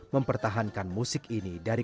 mempertahankan keroncong di istana